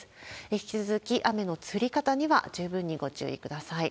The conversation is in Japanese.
引き続き、雨の降り方には十分にご注意ください。